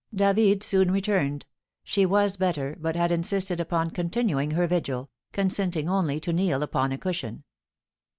David soon returned. She was better, but had insisted upon continuing her vigil, consenting only to kneel upon a cushion.